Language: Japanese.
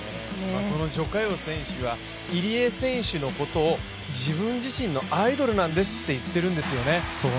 徐嘉余選手は入江選手のことを自分自身のアイドルなんですと言ってるんですね。